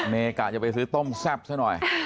เมกะจะไปซื้อต้มแซ่บซะหน่อย